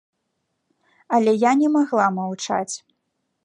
Але я не магла маўчаць.